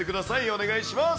お願いします。